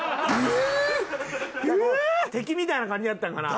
敵みたいな感じやったんかな？